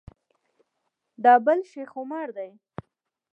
دا بل شیخ عمر دی.